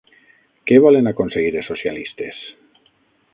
Què volen aconseguir els socialistes?